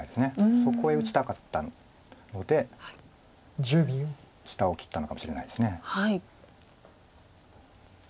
そこへ打ちたかったので下を切ったのかもしれないです。